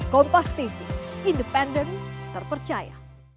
kepada pekerja komersial indonesia